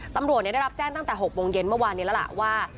ตำรวจได้รับแจ้งตั้งแต่๖โมงเย็นเมื่อวานนี้แล้วล่ะว่า